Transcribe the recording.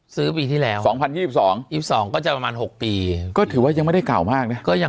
ซื้อปีที่แรกอยู่๑๖๒๒๒๒ก็จะประมาณหกปีก็ถือว่ายังไม่ได้กล่าวมาก